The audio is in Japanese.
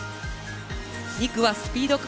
２区はスピード区間。